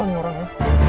sial nih orangnya